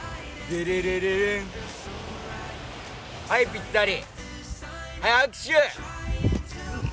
はい、ぴったり！